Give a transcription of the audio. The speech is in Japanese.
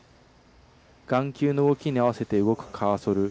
眼球の動きに合わせて動くカーソル。